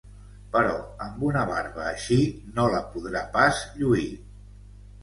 però amb una barba així no la podrà pas lluïr!